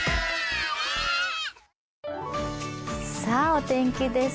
お天気です。